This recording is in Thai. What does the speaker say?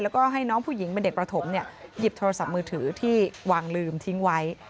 แล้วก็ให้น้องผู้หญิงเป็นเด็กประถมหยิบโทรศัพท์มือถือที่วางลืมทิ้งไว้